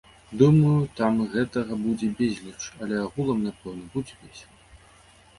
Думаю, там гэтага будзе безліч, але агулам, напэўна, будзе весела.